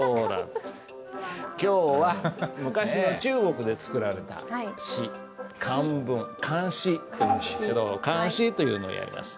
今日は昔の中国で作られた詩漢文「漢詩」というんですけど漢詩というのをやります。